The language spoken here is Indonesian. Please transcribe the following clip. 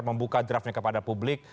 membuka draftnya kepada publik